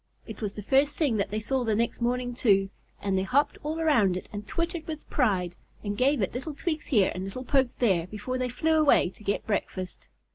It was the first thing that they saw the next morning, too, and they hopped all around it and twittered with pride, and gave it little tweaks here and little pokes there before they flew away to get breakfast.